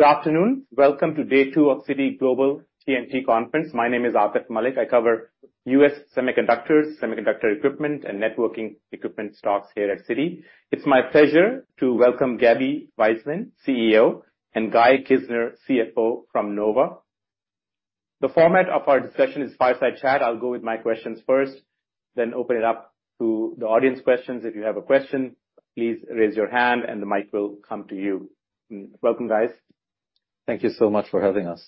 Good afternoon. Welcome to day two of Citi Global TMT Conference. My name is Atif Malik. I cover U.S. semiconductors, semiconductor equipment, and networking equipment stocks here at Citi. It's my pleasure to welcome Gaby Waisman, CEO, and Guy Kizner, CFO from Nova. The format of our discussion is fireside chat. I'll go with my questions first, then open it up to the audience questions. If you have a question, please raise your hand and the mic will come to you. Welcome, guys. Thank you so much for having us.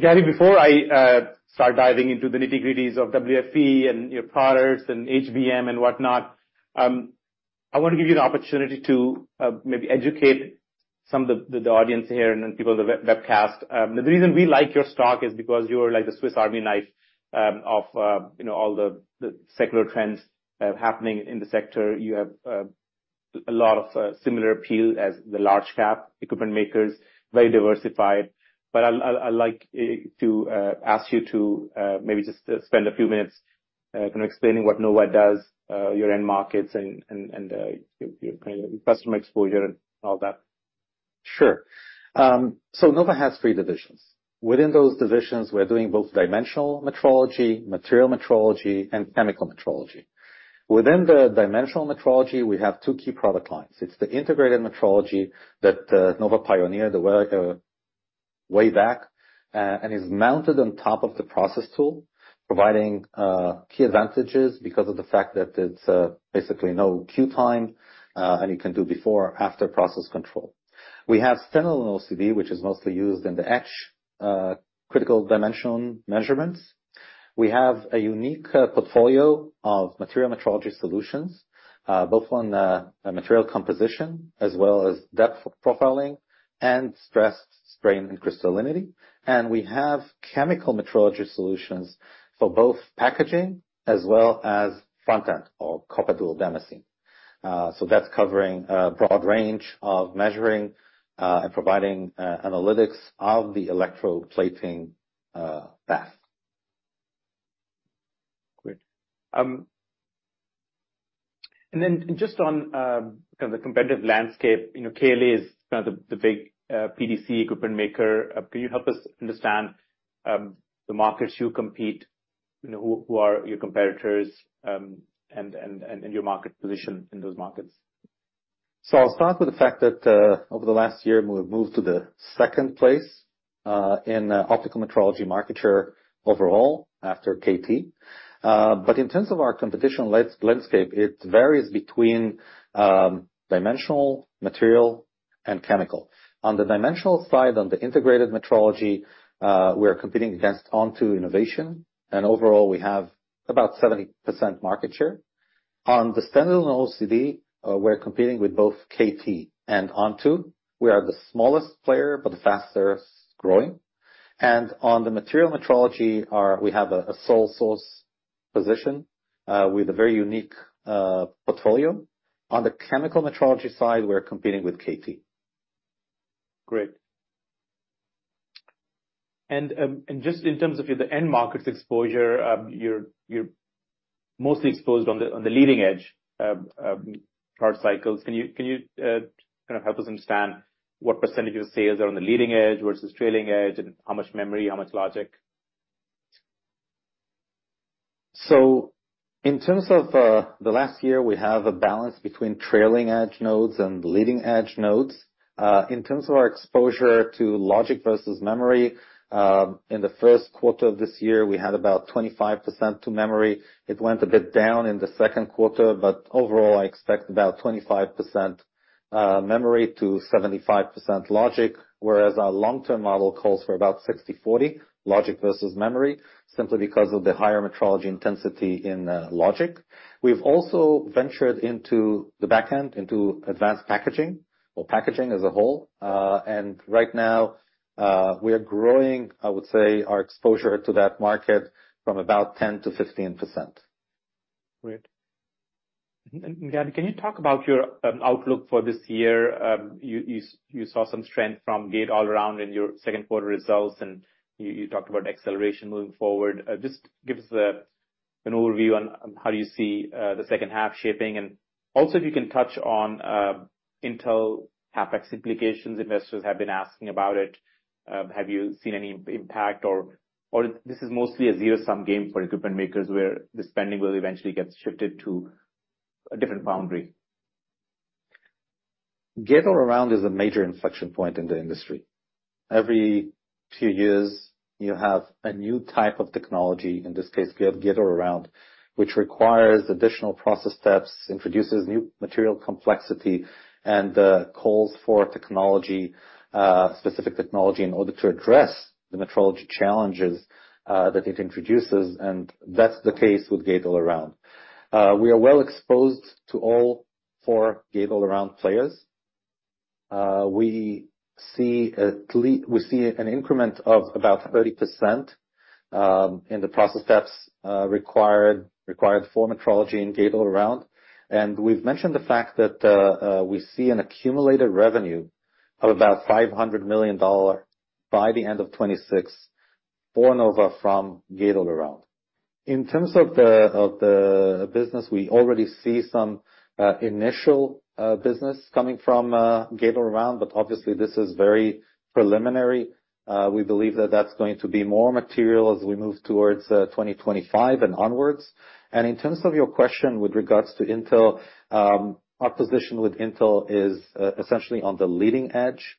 Gaby, before I start diving into the nitty-gritties of WFE and your products and HVM and whatnot, I want to give you an opportunity to maybe educate some of the audience here and then people on the webcast. The reason we like your stock is because you are like the Swiss Army knife of you know all the secular trends happening in the sector. You have a lot of similar appeal as the large cap equipment makers, very diversified. But I'd like to maybe just spend a few minutes kind of explaining what Nova does, your end markets and your kind of customer exposure and all that. Sure. So Nova has three divisions. Within those divisions, we're doing both dimensional metrology, material metrology, and chemical metrology. Within the dimensional metrology, we have two key product lines. It's the integrated metrology that Nova pioneered a while way back and is mounted on top of the process tool, providing key advantages because of the fact that it's basically no queue time and you can do before or after process control. We have standard OCD, which is mostly used in the etch critical dimension measurements. We have a unique portfolio of material metrology solutions both on a material composition as well as depth profiling and stress, strain, and crystallinity. And we have chemical metrology solutions for both packaging as well as front-end or copper dual damascene. So that's covering a broad range of measuring and providing analytics of the electroplating bath. Great. And then just on kind of the competitive landscape, you know, KLA is kind of the big PDC equipment maker. Can you help us understand the markets you compete, you know, who are your competitors, and your market position in those markets? I'll start with the fact that over the last year, we've moved to the second place in optical metrology market share overall, after KT. But in terms of our competition landscape, it varies between dimensional, material, and chemical. On the dimensional side, on the integrated metrology, we are competing against Onto Innovation, and overall, we have about 70% market share. On the standard OCD, we're competing with both KT and Onto. We are the smallest player, but the fastest growing. And on the material metrology, we have a sole source position with a very unique portfolio. On the chemical metrology side, we're competing with KT. Great. And just in terms of your, the end markets exposure, you're mostly exposed on the leading edge node cycles. Can you kind of help us understand what percentage of sales are on the leading edge versus trailing edge, and how much memory, how much logic? So in terms of the last year, we have a balance between trailing edge nodes and leading edge nodes. In terms of our exposure to logic versus memory, in the first quarter of this year, we had about 25% to memory. It went a bit down in the second quarter, but overall, I expect about 25% memory to 75% logic. Whereas our long-term model calls for about 60/40, logic versus memory, simply because of the higher metrology intensity in logic. We've also ventured into the back end, into advanced packaging or packaging as a whole. And right now, we are growing, I would say, our exposure to that market from about 10%-15%. Great. And, Gaby, can you talk about your outlook for this year? You saw some strength from Gate-All-Around in your second quarter results, and you talked about acceleration moving forward. Just give us an overview on how you see the second half shaping. And also, if you can touch on Intel CapEx implications. Investors have been asking about it. Have you seen any impact or this is mostly a zero-sum game for equipment makers, where the spending will eventually get shifted to a different boundary? Gate-All-Around is a major inflection point in the industry. Every two years, you have a new type of technology. In this case, we have Gate-All-Around, which requires additional process steps, introduces new material complexity, and calls for specific technology in order to address the metrology challenges that it introduces, and that's the case with Gate-All-Around. We are well-exposed to all four Gate-All-Around players. We see an increment of about 30% in the process steps required for metrology in Gate-All-Around. We've mentioned the fact that we see an accumulated revenue of about $500 million by the end of 2026, borne over from Gate-All-Around. In terms of the business, we already see some initial business coming from Gate-All-Around, but obviously this is very preliminary. We believe that that's going to be more material as we move towards 2025 and onwards, and in terms of your question with regards to Intel, our position with Intel is essentially on the leading edge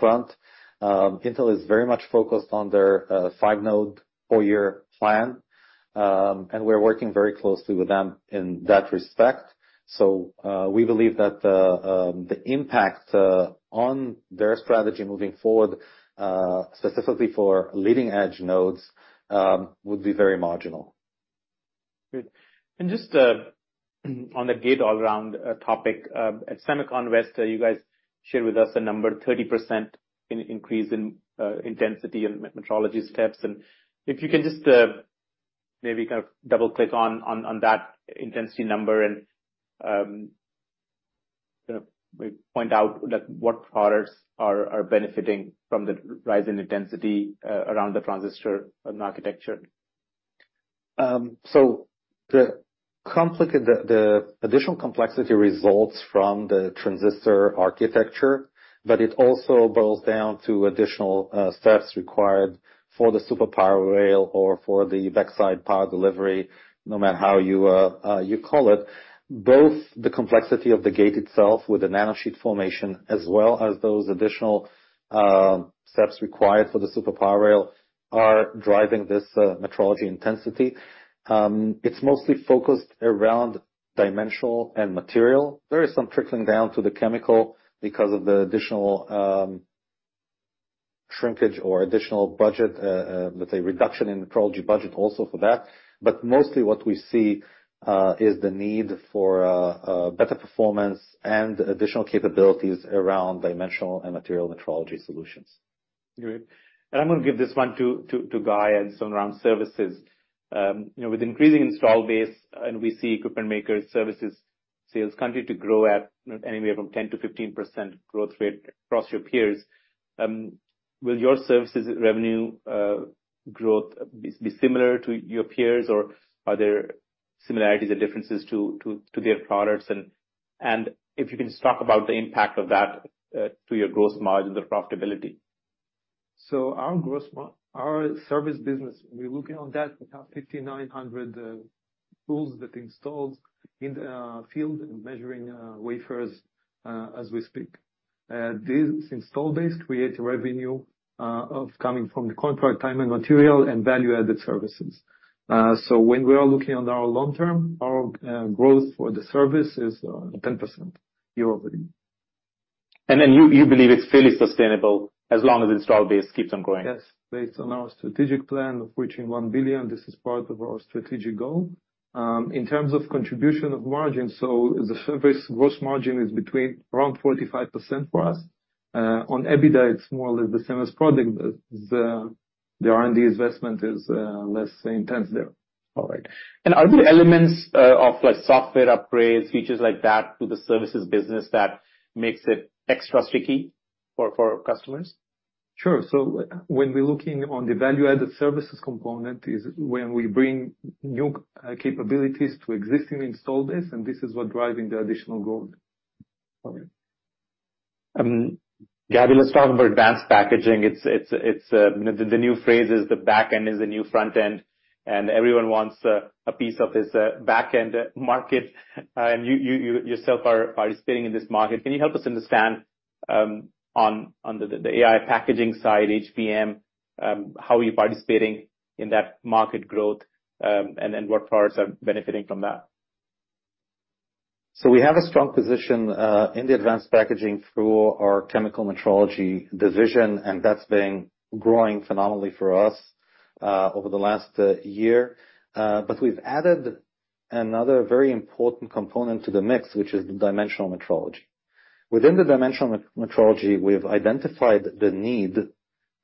front. Intel is very much focused on their five-node, four-year plan, and we're working very closely with them in that respect, so we believe that the impact on their strategy moving forward, specifically for leading-edge nodes, would be very marginal. Great. And just on the Gate-All-Around topic, at SEMICON West, you guys shared with us a number, 30% increase in intensity and metrology steps. And if you can just maybe kind of double-click on that intensity number and kind of point out, like, what products are benefiting from the rise in intensity around the transistor and architecture. So the additional complexity results from the transistor architecture, but it also boils down to additional steps required for the super power rail or for the backside power delivery, no matter how you call it. Both the complexity of the gate itself with the nanosheet formation, as well as those additional steps required for the super power rail, are driving this metrology intensity. It's mostly focused around dimensional and material. There is some trickling down to the chemical because of the additional shrinkage or additional budget, let's say reduction in metrology budget also for that. But mostly what we see is the need for a better performance and additional capabilities around dimensional and material metrology solutions. Great. And I'm gonna give this one to Guy and some around services. You know, with increasing install base, and we see equipment makers, services, sales continue to grow at anywhere from 10%-15% growth rate across your peers, will your services revenue growth be similar to your peers, or are there similarities or differences to their products? And if you can just talk about the impact of that to your gross margin, the profitability. So our service business, we're looking on that, we have 5,900 tools that installed in the field, measuring wafers as we speak. This install base creates revenue of coming from the contract, time and material, and value-added services. So when we are looking on our long-term, our growth for the service is 10% year-over-year. And then you believe it's fairly sustainable as long as the installed base keeps on growing? Yes. Based on our strategic plan of reaching $1 billion, this is part of our strategic goal. In terms of contribution of margin, so the service gross margin is between around 45% for us. On EBITDA, it's more or less the same as product, but the R&D investment is less intense there. All right. And are there elements of like, software upgrades, features like that, to the services business that makes it extra sticky for customers? Sure. So when we're looking on the value-added services component, is when we bring new, capabilities to existing installed base, and this is what driving the additional growth. Okay. Gaby, let's talk about advanced packaging. It's the new phrase is, "The back end is the new front end," and everyone wants a piece of this back end market, and you yourself are participating in this market. Can you help us understand on the AI packaging side, HBM, how are you participating in that market growth, and what products are benefiting from that? So we have a strong position in the advanced packaging through our chemical metrology division, and that's been growing phenomenally for us over the last year. But we've added another very important component to the mix, which is dimensional metrology. Within the dimensional metrology, we've identified the need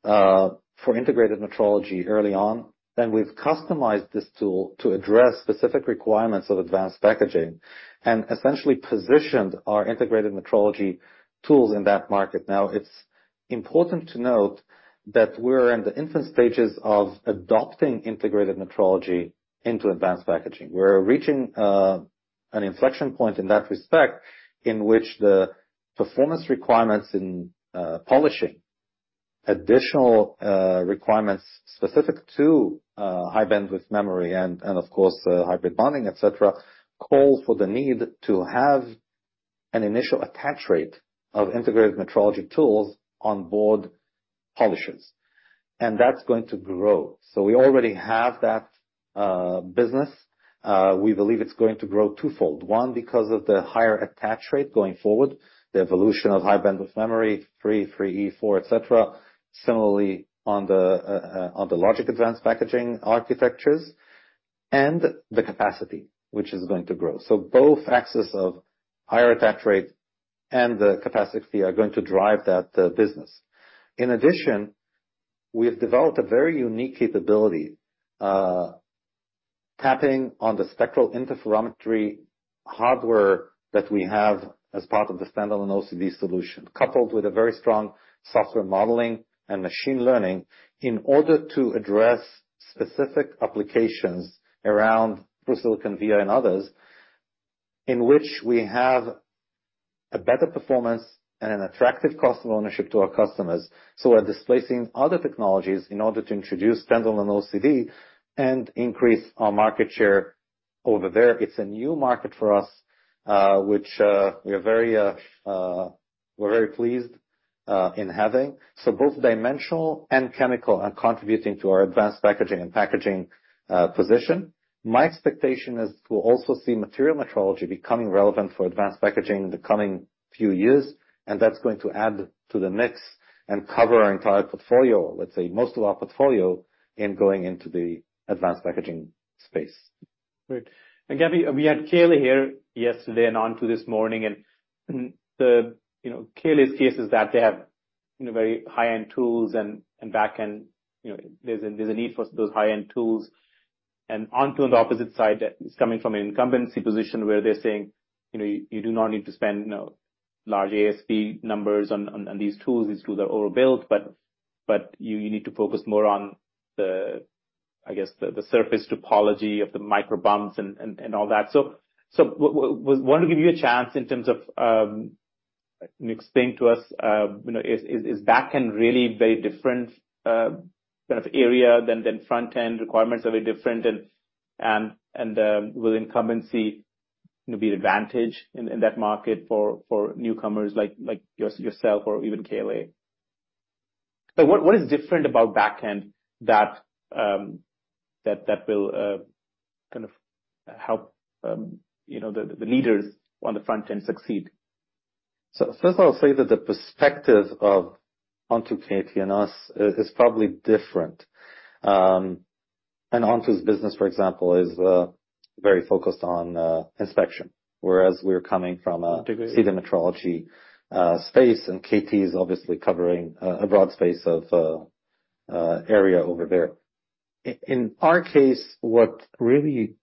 for integrated metrology early on, and we've customized this tool to address specific requirements of advanced packaging, and essentially positioned our integrated metrology tools in that market. Now, it's important to note that we're in the infant stages of adopting integrated metrology into advanced packaging. We're reaching an inflection point in that respect, in which the performance requirements in polishing, additional requirements specific to high bandwidth memory and of course hybrid bonding, et cetera, call for the need to have an initial attach rate of integrated metrology tools on board polishers, and that's going to grow, so we already have that business. We believe it's going to grow twofold. One, because of the higher attach rate going forward, the evolution of high bandwidth memory, 3, 3E, 4, et cetera. Similarly, on the logic advanced packaging architectures, and the capacity, which is going to grow, so both axes of higher attach rate and the capacity are going to drive that business. In addition, we have developed a very unique capability. Tapping on the spectral interferometry hardware that we have as part of the standalone OCD solution, coupled with a very strong software modeling and machine learning, in order to address specific applications around through-silicon via and others, in which we have a better performance and an attractive cost of ownership to our customers. So we're displacing other technologies in order to introduce standalone OCD and increase our market share over there. It's a new market for us, which we are very pleased in having. So both dimensional and chemical are contributing to our advanced packaging and packaging position. My expectation is we'll also see material metrology becoming relevant for advanced packaging in the coming few years, and that's going to add to the mix and cover our entire portfolio, let's say, most of our portfolio, in going into the advanced packaging space. Great. And Gaby, we had KLA here yesterday and Onto this morning, and, you know, KLA's case is that they have, you know, very high-end tools and back end, you know, there's a need for those high-end tools, and Onto the opposite side, it's coming from an incumbency position where they're saying, you know, you do not need to spend, you know, large ASP numbers on these tools. These tools are overbuilt, but you need to focus more on, I guess, the surface topology of the micro bumps and all that, so want to give you a chance in terms of explain to us, you know, is back end really very different kind of area than front end? Requirements are very different, and will incumbency, you know, be an advantage in that market for newcomers like yourself or even KLA? But what is different about back-end that will kind of help you know the leaders on the front end succeed? First I'll say that the perspective of Onto, KT and us is probably different. Onto's business, for example, is very focused on inspection, whereas we're coming from a- dimensional.... metrology space, and KT is obviously covering a broad space of area over there. In our case, what really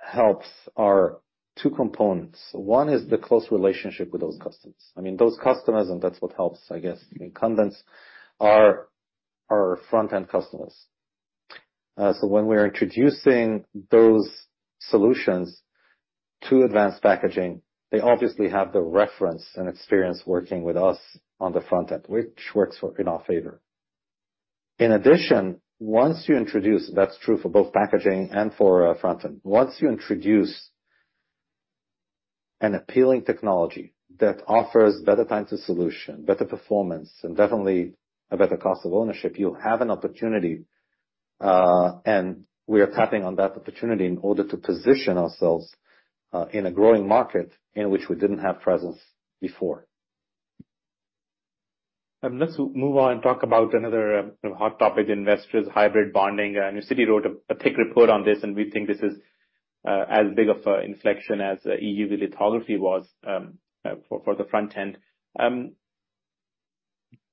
helps are two components. One is the close relationship with those customers. I mean, those customers, and that's what helps, I guess, incumbents, are our front-end customers. So when we're introducing those solutions to advanced packaging, they obviously have the reference and experience working with us on the front end, which works in our favor. In addition, once you introduce. That's true for both packaging and for front-end. Once you introduce an appealing technology that offers better time to solution, better performance, and definitely a better cost of ownership, you have an opportunity, and we are tapping on that opportunity in order to position ourselves in a growing market in which we didn't have presence before. Let's move on and talk about another hot topic, investors, hybrid bonding. Citi wrote a thick report on this, and we think this is as big of a inflection as EUV lithography was for the front end.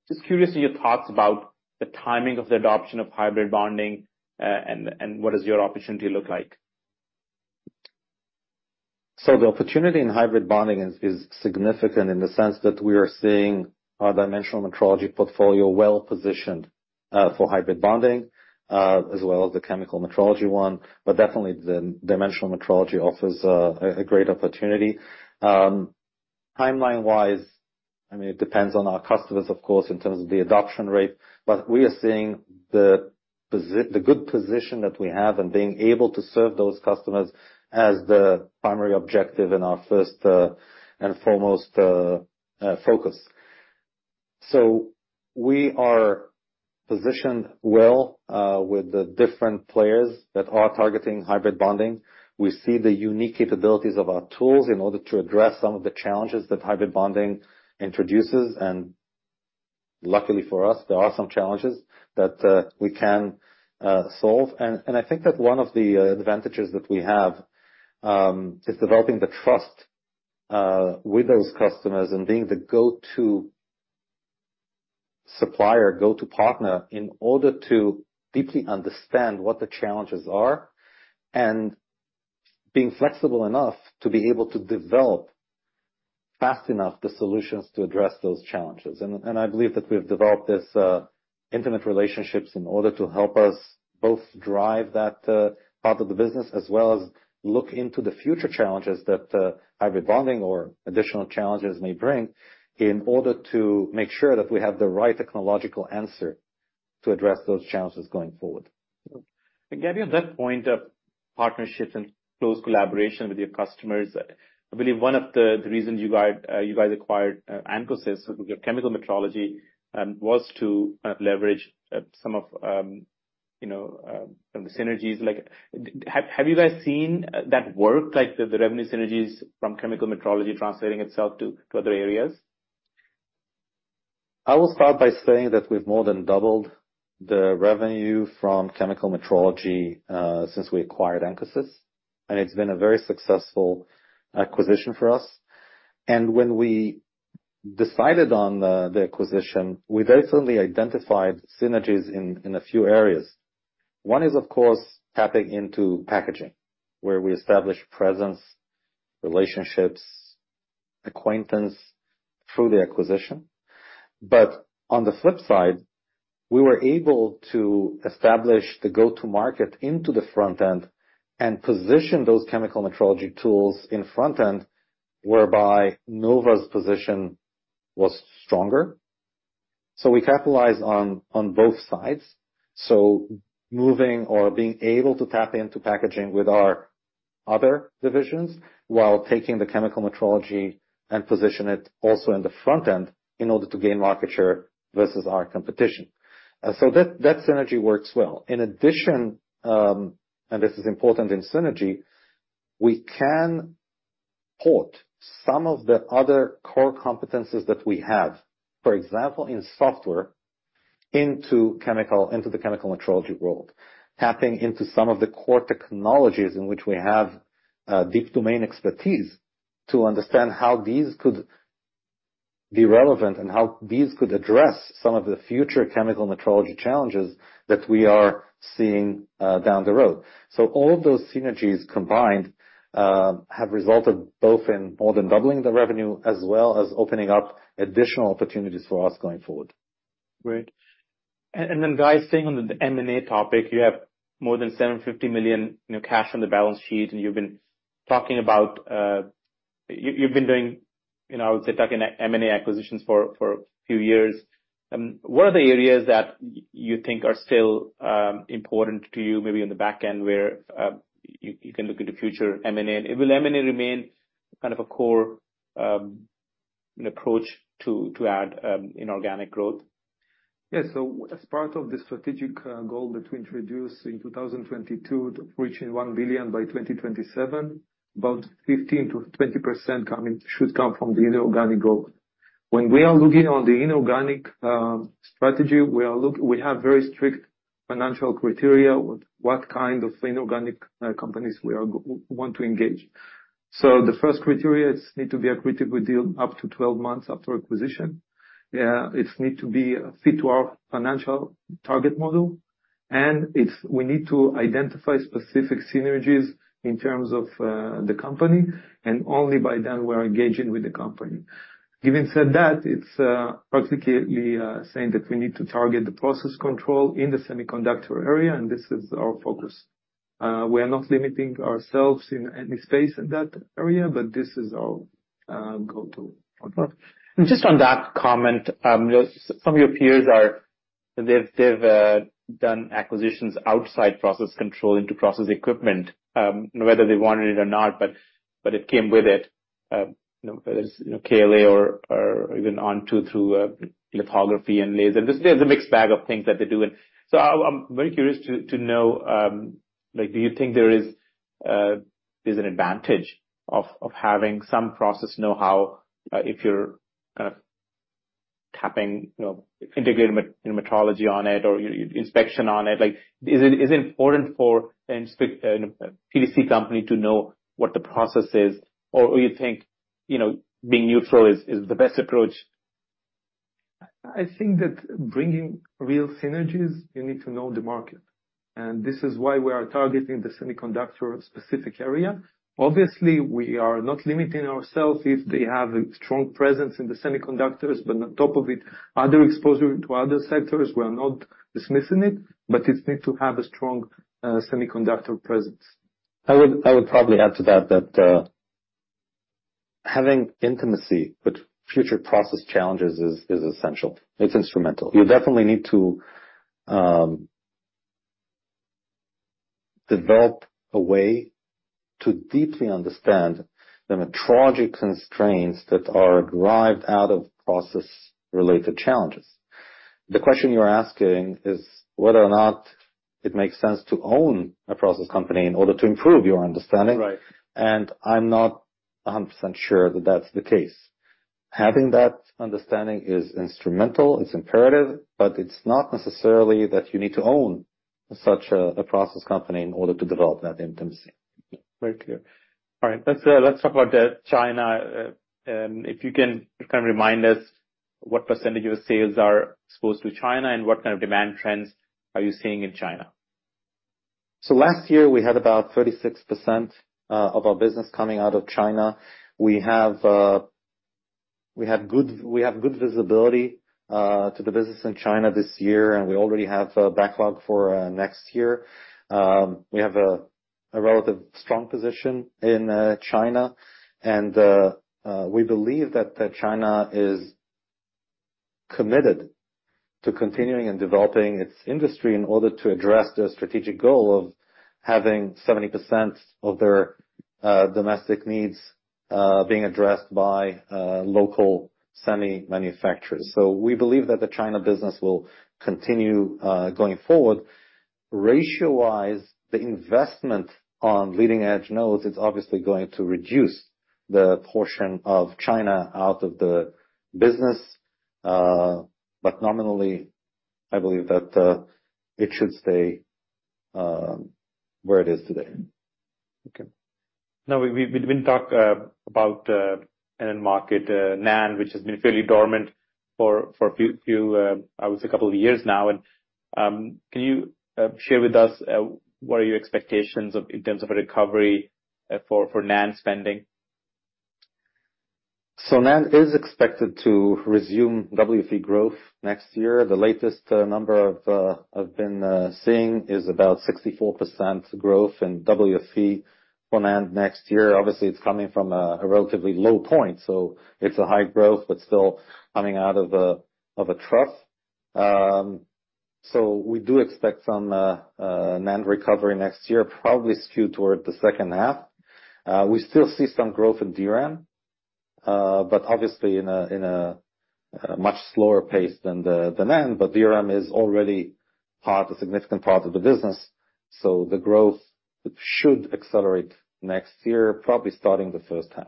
Just curious to your thoughts about the timing of the adoption of hybrid bonding, and what does your opportunity look like? The opportunity in hybrid bonding is significant in the sense that we are seeing our dimensional metrology portfolio well-positioned for hybrid bonding as well as the chemical metrology one, but definitely the dimensional metrology offers a great opportunity. Timeline-wise, I mean, it depends on our customers, of course, in terms of the adoption rate, but we are seeing the good position that we have and being able to serve those customers as the primary objective and our first and foremost focus. We are positioned well with the different players that are targeting hybrid bonding. We see the unique capabilities of our tools in order to address some of the challenges that hybrid bonding introduces, and luckily for us, there are some challenges that we can solve. And, and I think that one of the advantages that we have is developing the trust with those customers and being the go-to supplier, go-to partner, in order to deeply understand what the challenges are, and being flexible enough to be able to develop, fast enough, the solutions to address those challenges. And, and I believe that we've developed this intimate relationships in order to help us both drive that part of the business, as well as look into the future challenges that hybrid bonding or additional challenges may bring, in order to make sure that we have the right technological answer to address those challenges going forward. And Gaby, on that point of partnerships and close collaboration with your customers, I believe one of the reasons you guys acquired ancosys, your chemical metrology, was to kind of leverage some of, you know, from the synergies. Like, have you guys seen that work, like, the revenue synergies from chemical metrology translating itself to other areas? I will start by saying that we've more than doubled the revenue from chemical metrology since we acquired ancosys, and it's been a very successful acquisition for us. And when we decided on the acquisition, we very certainly identified synergies in a few areas. One is, of course, tapping into packaging, where we establish presence, relationships, acquaintance through the acquisition. But on the flip side, we were able to establish the go-to market into the front end and position those chemical metrology tools in front end, whereby Nova's position was stronger. So we capitalize on both sides. So moving or being able to tap into packaging with our other divisions, while taking the chemical metrology and position it also in the front end, in order to gain market share versus our competition. So that synergy works well. In addition, and this is important in synergy, we can port some of the other core competencies that we have, for example, in software, into chemical, into the chemical metrology world. Tapping into some of the core technologies in which we have, deep domain expertise, to understand how these could be relevant and how these could address some of the future chemical metrology challenges that we are seeing, down the road. All of those synergies combined have resulted both in more than doubling the revenue, as well as opening up additional opportunities for us going forward. Great. And then, guys, staying on the M&A topic, you have more than $750 million, you know, cash on the balance sheet, and you've been talking about, you've been doing, you know, I would say, talking M&A acquisitions for a few years. What are the areas that you think are still important to you, maybe on the back end, where you can look into future M&A? And will M&A remain kind of a core approach to add inorganic growth? Yes. So as part of the strategic goal that we introduced in 2022, reaching $1 billion by 2027, about 15%-20% should come from the inorganic growth. When we are looking on the inorganic strategy, we have very strict financial criteria with what kind of inorganic companies we want to engage. So the first criteria is, need to be accretive with deal up to 12 months after acquisition. It need to be a fit to our financial target model, and it's we need to identify specific synergies in terms of the company, and only by then we are engaging with the company. Given said that, it's particularly saying that we need to target the process control in the semiconductor area, and this is our focus. We are not limiting ourselves in any space in that area, but this is our go-to model. And just on that comment, you know, some of your peers, they've done acquisitions outside process control into process equipment, whether they wanted it or not, but it came with it. You know, whether it's, you know, KLA or even Onto through lithography and laser. There's a mixed bag of things that they're doing. So I'm very curious to know, like, do you think there is an advantage of having some process know-how, if you're tapping, you know, integrated metrology on it or inspection on it? Like, is it important for a strict PTC company to know what the process is, or you think, you know, being neutral is the best approach? I think that bringing real synergies, you need to know the market, and this is why we are targeting the semiconductor-specific area. Obviously, we are not limiting ourselves if they have a strong presence in the semiconductors, but on top of it, other exposure to other sectors, we are not dismissing it, but it need to have a strong semiconductor presence. I would probably add to that, having intimacy with future process challenges is essential. It's instrumental. You definitely need to develop a way to deeply understand the metrology constraints that are derived out of process-related challenges. The question you're asking is whether or not it makes sense to own a process company in order to improve your understanding. Right. I'm not 100% sure that that's the case. Having that understanding is instrumental, it's imperative, but it's not necessarily that you need to own such a process company in order to develop that intimacy. Very clear. All right, let's talk about the China, if you can kind of remind us what percentage of your sales are exposed to China, and what kind of demand trends are you seeing in China? So last year, we had about 36% of our business coming out of China. We have good visibility to the business in China this year, and we already have a backlog for next year. We have a relatively strong position in China, and we believe that China is committed to continuing and developing its industry in order to address the strategic goal of having 70% of their domestic needs being addressed by local semi manufacturers. So we believe that the China business will continue going forward. Ratio-wise, the investment on leading-edge nodes is obviously going to reduce the portion of China out of the business, but nominally, I believe that it should stay where it is today. Okay. Now, we didn't talk about the end market, NAND, which has been fairly dormant for a few, I would say, a couple of years now. And, can you share with us, what are your expectations of, in terms of a recovery, for NAND spending? NAND is expected to resume WFE growth next year. The latest number I've been seeing is about 64% growth in WFE for NAND next year. Obviously, it's coming from a relatively low point, so it's a high growth, but still coming out of a trough. We do expect some NAND recovery next year, probably skewed toward the second half. We still see some growth in DRAM, but obviously in a much slower pace than the NAND. DRAM is already a significant part of the business, so the growth should accelerate next year, probably starting the first half.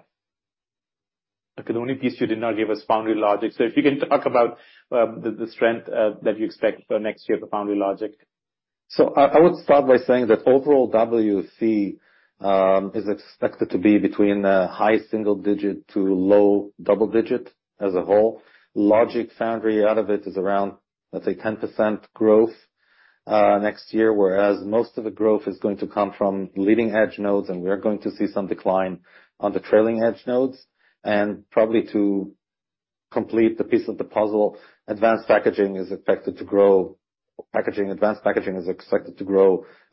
Okay, the only piece you did not give us foundry logic. So if you can talk about the strength that you expect for next year for foundry logic. So I would start by saying that overall WFE is expected to be between high single-digit to low double-digit as a whole. Logic foundry out of it is around, let's say, 10% growth next year, whereas most of the growth is going to come from leading-edge nodes, and we are going to see some decline on the trailing-edge nodes. And probably to complete the piece of the puzzle, advanced packaging is expected to grow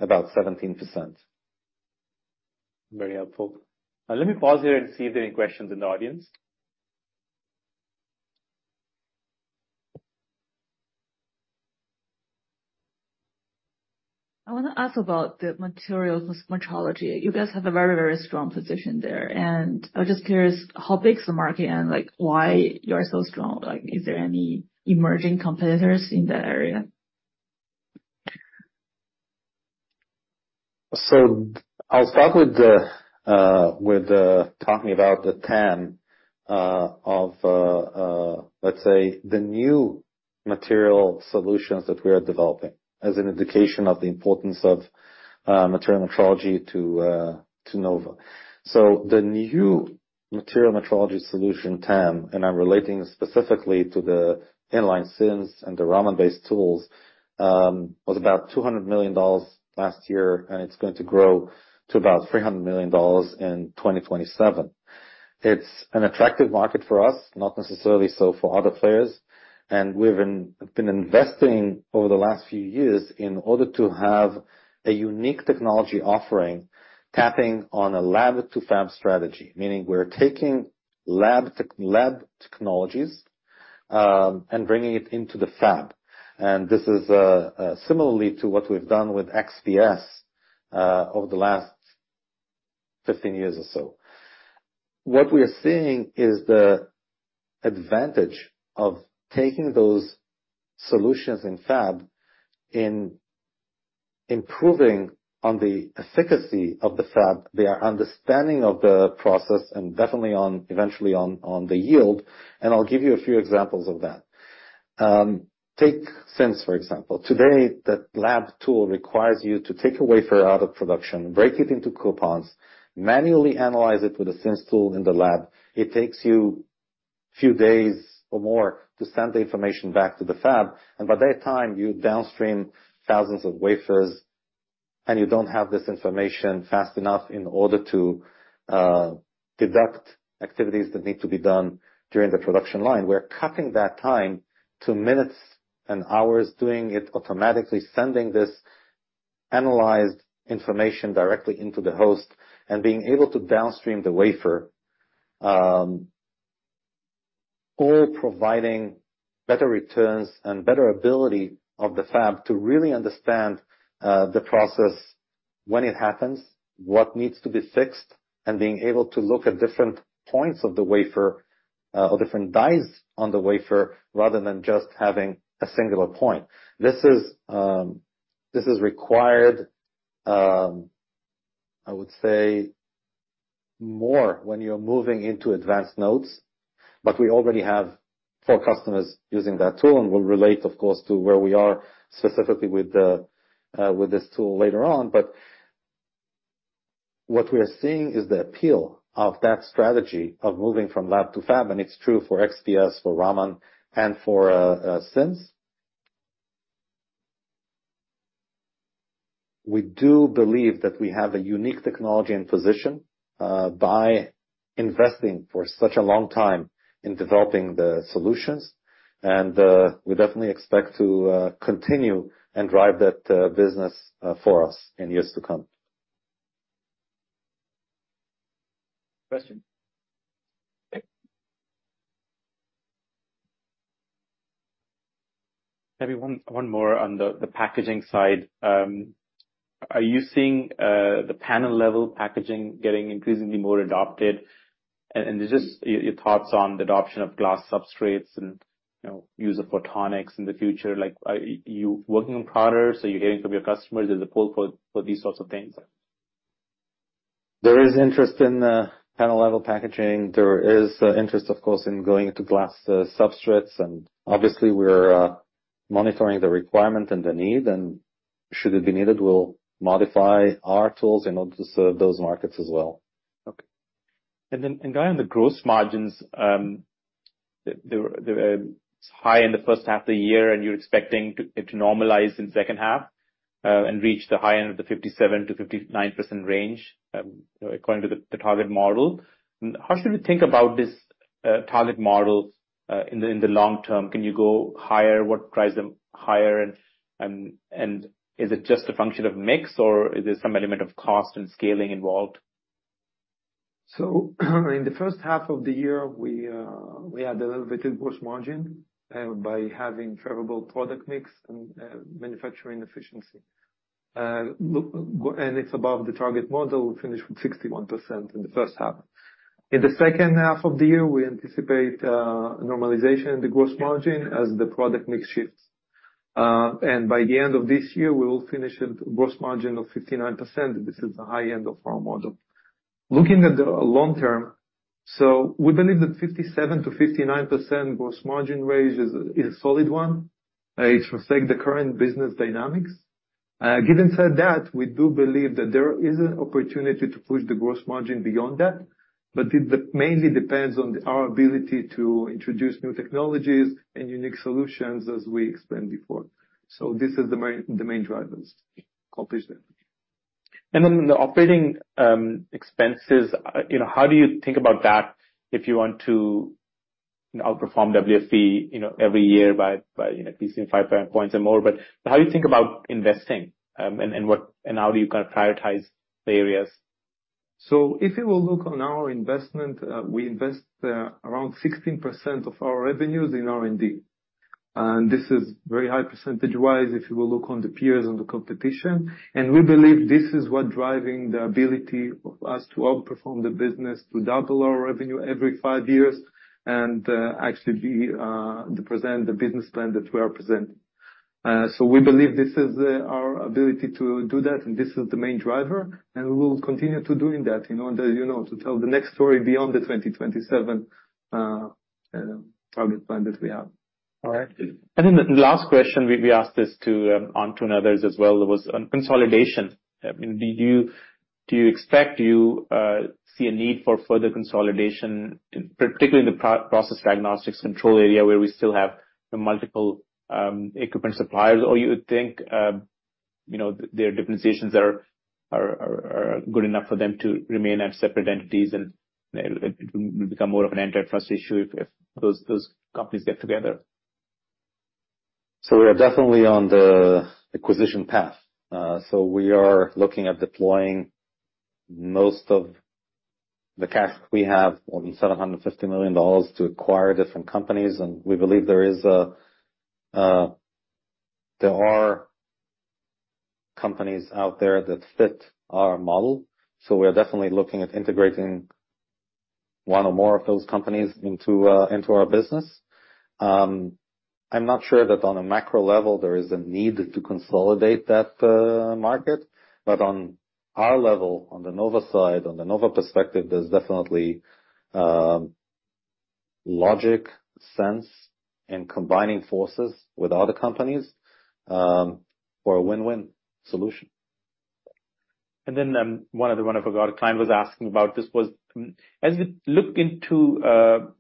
about 17%. Very helpful. Let me pause here and see if there are any questions in the audience. I want to ask about the materials metrology. You guys have a very, very strong position there, and I was just curious, how big is the market, and, like, why you are so strong? Like, is there any emerging competitors in that area? I'll start with talking about the TAM of, let's say, the new material solutions that we are developing, as an indication of the importance of material metrology to Nova. The new material metrology solution TAM, and I'm relating specifically to the inline SIMS and the Raman-based tools, was about $200 million last year, and it's going to grow to about $300 million in 2027. It's an attractive market for us, not necessarily so for other players, and we've been investing over the last few years in order to have a unique technology offering, tapping on a lab-to-fab strategy, meaning we're taking lab technologies and bringing it into the fab. This is similarly to what we've done with XPS over the last 15 years or so. What we are seeing is the advantage of taking those solutions in fab, in improving on the efficacy of the fab, their understanding of the process, and definitely on, eventually, the yield, and I'll give you a few examples of that. Take SIMS, for example. Today, the lab tool requires you to take a wafer out of production, break it into coupons, manually analyze it with a SIMS tool in the lab. It takes you few days or more to send the information back to the fab, and by that time, you downstream thousands of wafers, and you don't have this information fast enough in order to deduct activities that need to be done during the production line. We're cutting that time to minutes and hours, doing it automatically, sending this analyzed information directly into the host, and being able to downstream the wafer, all providing better returns and better ability of the fab to really understand the process when it happens, what needs to be fixed, and being able to look at different points of the wafer, or different dies on the wafer, rather than just having a singular point. This is required, I would say more when you're moving into advanced nodes, but we already have four customers using that tool, and we'll relate, of course, to where we are specifically with this tool later on. But what we are seeing is the appeal of that strategy, of moving from lab to fab, and it's true for XPS, for Raman, and for SIMS. We do believe that we have a unique technology and position by investing for such a long time in developing the solutions, and we definitely expect to continue and drive that business for us in years to come. Question? Nick. Maybe one more on the packaging side. Are you seeing the panel-level packaging getting increasingly more adopted? And just your thoughts on the adoption of glass substrates and, you know, use of photonics in the future, like, are you working on products, are you hearing from your customers there's a pull for these sorts of things? There is interest in the panel-level packaging. There is interest, of course, in going to glass substrates, and obviously we're monitoring the requirement and the need, and should it be needed, we'll modify our tools in order to serve those markets as well. Okay. And then, and Guy, on the gross margins, it's high in the first half of the year, and you're expecting it to normalize in the second half, and reach the high end of the 57%-59% range, according to the target model. How should we think about this target model in the long-term? Can you go higher? What drives them higher? And is it just a function of mix, or is there some element of cost and scaling involved? So in the first half of the year, we had elevated gross margin by having favorable product mix and manufacturing efficiency. Look, and it's above the target model, we finished with 61% in the first half. In the second half of the year, we anticipate normalization in the gross margin as the product mix shifts. And by the end of this year, we will finish at gross margin of 59%. This is the high end of our model. Looking at the long-term, so we believe that 57%-59% gross margin range is a solid one, it reflects the current business dynamics. Having said that, we do believe that there is an opportunity to push the gross margin beyond that, but it mainly depends on our ability to introduce new technologies and unique solutions, as we explained before. So this is the main drivers. And then the operating expenses, you know, how do you think about that if you want to outperform WFE, you know, every year by, you know, increasing five points and more, but how do you think about investing, and how do you kind of prioritize the areas? If you will look on our investment, we invest around 16% of our revenues in R&D, and this is very high percentage-wise, if you will look on the peers and the competition. We believe this is what driving the ability of us to outperform the business, to double our revenue every five years, and actually be to present the business plan that we are presenting. We believe this is our ability to do that, and this is the main driver, and we will continue to doing that, you know, as you know, to tell the next story beyond the 2027 target plan that we have. All right. And then the last question, we asked this to Onto and others as well, was on consolidation. I mean, do you expect you see a need for further consolidation, in particular in the process diagnostics control area, where we still have multiple equipment suppliers? Or you would think, you know, their differentiations are good enough for them to remain as separate entities and it become more of an antitrust issue if those companies get together? We are definitely on the acquisition path. We are looking at deploying most of the cash we have, more than $750 million, to acquire different companies, and we believe there are companies out there that fit our model. We are definitely looking at integrating one or more of those companies into our business. I'm not sure that on a macro level, there is a need to consolidate that market, but on our level, on the Nova side, on the Nova perspective, there's definitely logic, sense in combining forces with other companies for a win-win solution. And then, one other one I forgot a client was asking about this was, as you look into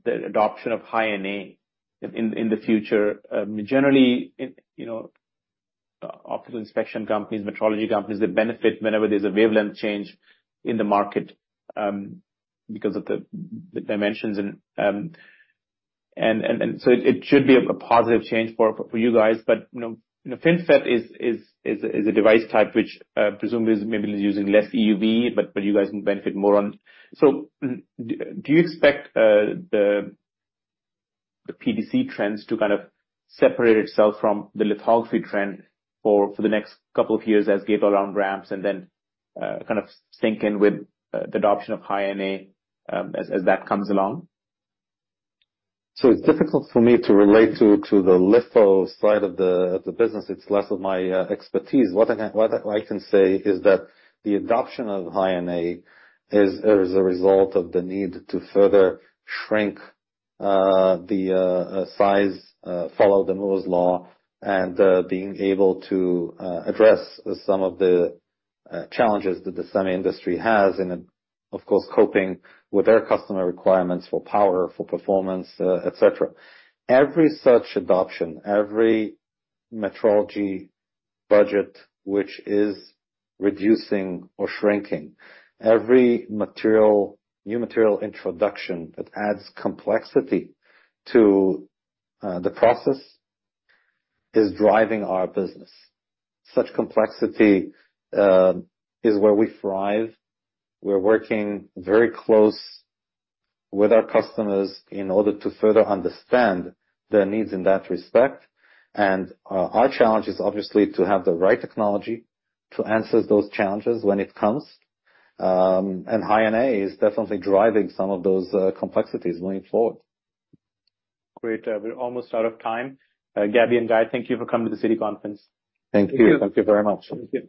the adoption of High NA in the future, generally, you know, optical inspection companies, metrology companies, they benefit whenever there's a wavelength change in the market, because of the dimensions and... And so it should be a positive change for you guys. But you know, FinFET is a device type which, presumably is maybe using less EUV, but you guys can benefit more on. So do you expect the PDC trends to kind of separate itself from the lithography trend for the next couple of years as Gate-All-Around ramps, and then kind of sink in with the adoption of High NA, as that comes along? It's difficult for me to relate to the litho side of the business. It's less of my expertise. What I can say is that the adoption of High NA is a result of the need to further shrink the size, follow Moore's Law, and being able to address some of the challenges that the semi industry has, and of course, coping with their customer requirements for power, for performance, et cetera. Every such adoption, every metrology budget which is reducing or shrinking, every new material introduction that adds complexity to the process, is driving our business. Such complexity is where we thrive. We're working very close with our customers in order to further understand their needs in that respect. Our challenge is obviously to have the right technology to answer those challenges when it comes. High NA is definitely driving some of those complexities going forward. Great. We're almost out of time. Gaby and Guy, thank you for coming to the Citi conference. Thank you very much. Thank you.